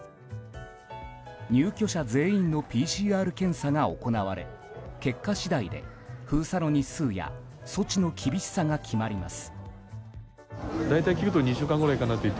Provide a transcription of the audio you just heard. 入居者全員のＰＣＲ検査が行われ結果次第で、封鎖の日数や措置の厳しさが決まります。